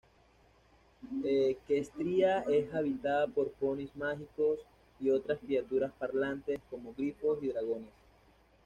Equestria es habitada por ponis mágicos y otras criaturas parlantes, como grifos y dragones.